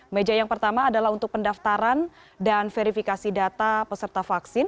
meja yang pertama adalah untuk pendaftaran dan verifikasi data peserta vaksin